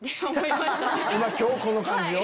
今日この感じを？